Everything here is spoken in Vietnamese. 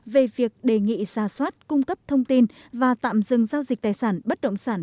về việc đề nghị xa xoát cung cấp thông tin và tạm dừng giao dịch tài sản bất động sản